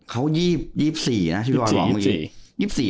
เขา๒๔นะชิคกี้พายรอบมืออีก